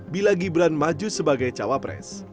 bila gibran maju sebagai cawapres